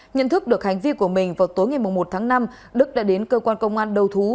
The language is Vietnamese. nhận thức được hành vi của mình vào tối ngày một tháng năm đức đã đến cơ quan công an đầu thú